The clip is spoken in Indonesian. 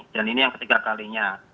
dan ini yang ketiga kalinya